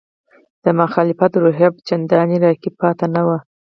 د مخالفت روحیه چندانې راکې پاتې نه وه.